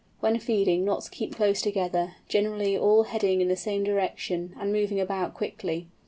When feeding Knots keep close together, generally all heading in the same direction, and moving about quickly.